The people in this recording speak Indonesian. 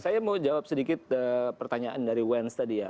saya mau jawab sedikit pertanyaan dari wens tadi ya